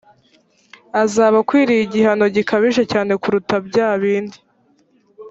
azaba akwiriye igihano gikabije cyane kuruta byabindi